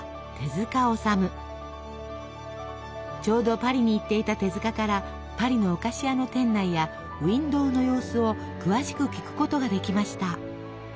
ちょうどパリに行っていた手からパリのお菓子屋の店内やウインドーの様子を詳しく聞くことができました。